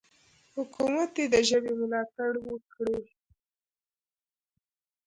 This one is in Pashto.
حکومت دې د ژبې ملاتړ وکړي.